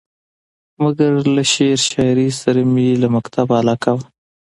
مګر له شعر شاعرۍ سره مې له مکتبه علاقه وه.